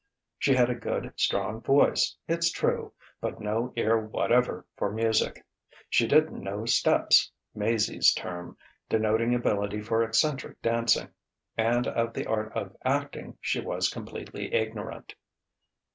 She had a good strong voice, it's true, but no ear whatever for music; she didn't "know steps" (Maizie's term, denoting ability for eccentric dancing) and of the art of acting she was completely ignorant.